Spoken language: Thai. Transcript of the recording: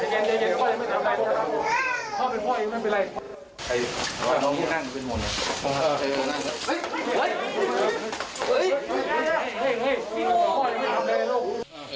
อือพ่อค่ะเขารับดังของเขาแล้ว